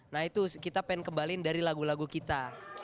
nah itu kita pengen kembaliin dari lagu lagu kita